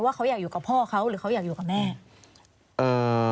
เขาอยากอยู่กับพ่อเขาหรือเขาอยากอยู่กับแม่อ่า